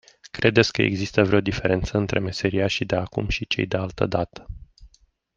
Credeți că există vreo diferență între meseriașii de acum și cei de altădată.